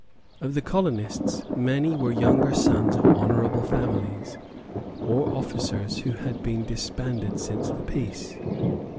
Of the colonists many were younger sons of honourable families, or officers who had been disbanded since the peace.